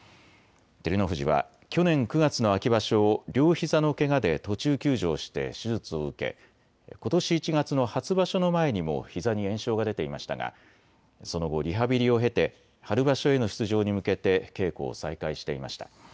照ノ富士は去年９月の秋場所を両ひざのけがで途中休場して手術を受け、ことし１月の初場所の前にもひざに炎症が出ていましたがその後、リハビリを経て春場所への出場に向けて稽古を再開していました。